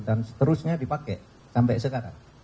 dan seterusnya dipakai sampai sekarang